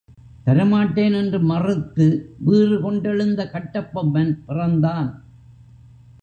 தரமாட்டேன் என்று மறுத்து வீறு கொண்டெழுந்த கட்டபொம்மன் பிறந்தான்!